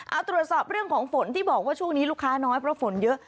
เอาตรวจสอบเรื่องของฝนที่บอกว่าช่วงนี้ลูกค้าน้อยเพราะฝนเยอะ